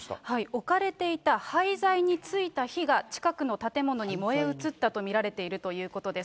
置かれていた廃材についた火が近くの建物に燃え移ったと見られてるということです。